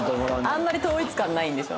あんまり統一感ないんでしょ。